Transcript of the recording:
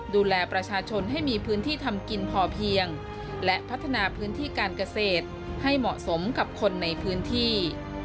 ดูแลประชาชนให้มีพื้นที่ทำกินพอเพียงและพัฒนาพื้นที่การเกษตรให้เหมาะสมกับคนในพื้นที่